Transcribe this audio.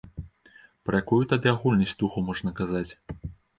Пра якую тады агульнасць духу можна казаць?